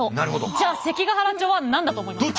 じゃあ関ケ原町は何だと思いますか？